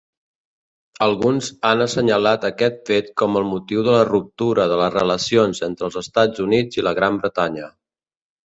Alguns han assenyalat aquest fet com el motiu de la ruptura de les relacions entre els Estats units i la Gran Bretanya.